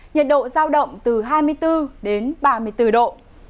nhiệt độ giao động từ hai mươi bốn đến ba mươi bốn độ